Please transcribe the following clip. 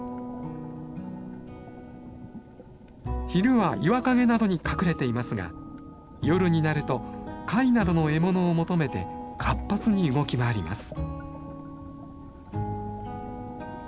昼は岩陰などに隠れていますが夜になると貝などの獲物を求めて活発に動き回ります。